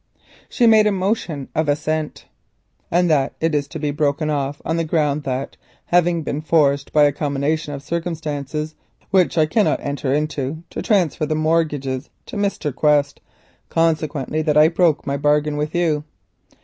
She made a motion of assent. "And that it is broken off on the ground that having been forced by a combination of circumstances which I cannot enter into to transfer the mortgages to Mr. Quest, consequently I broke my bargain with you?"